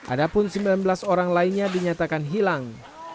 adapun sembilan belas orang lainnya dinyatakan hilang